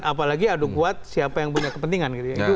apalagi adu kuat siapa yang punya kepentingan gitu ya